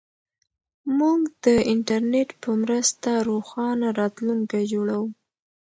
موږ د انټرنیټ په مرسته روښانه راتلونکی جوړوو.